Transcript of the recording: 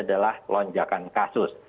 adalah lonjakan kasus